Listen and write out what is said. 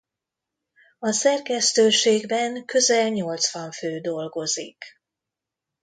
A szerkesztőségben közel nyolcvan fő dolgozik.